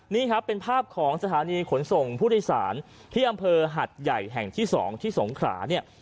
นี่ครับเป็นภาพของสถานีขนส่งผู้โดยสารที่อำเภอหัดใหญ่แห่งที่๒ที่สงขราเนี่ย